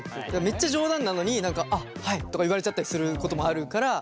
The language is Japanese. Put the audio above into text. めっちゃ冗談なのに「あっはい」とか言われちゃったりすることもあるから。